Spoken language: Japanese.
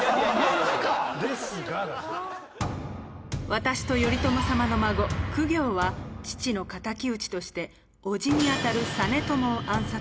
私と頼朝様の孫公暁は父の敵討ちとして叔父に当たる実朝を暗殺。